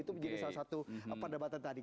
itu menjadi salah satu perdebatan tadi